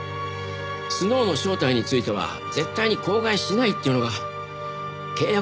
スノウの正体については絶対に口外しないっていうのが契約の条件でしたから。